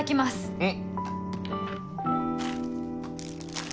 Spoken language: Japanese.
うん。